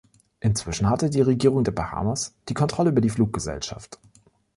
Inzwischen hatte die Regierung der Bahamas die Kontrolle über die Fluggesellschaft.